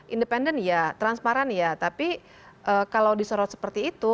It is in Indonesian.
independen ya transparan ya tapi kalau disorot seperti itu